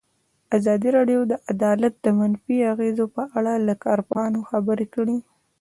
ازادي راډیو د عدالت د منفي اغېزو په اړه له کارپوهانو سره خبرې کړي.